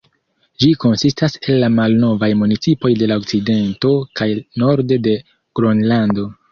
Ĝi konsistas el la malnovaj municipoj de la okcidento kaj nordo de Gronlando.